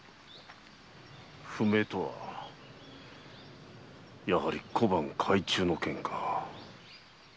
不明とはやはり小判改鋳の件か。